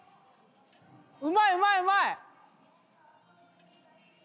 うまいうまいうまい！